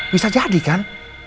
bisa jadi kan